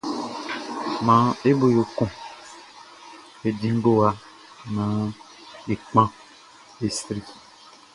Maan e bo yo kun e di ngowa, nán e kpan, e sri.